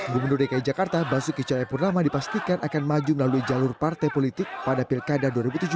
gubernur dki jakarta basuki cahayapurnama dipastikan akan maju melalui jalur partai politik pada pilkada dua ribu tujuh belas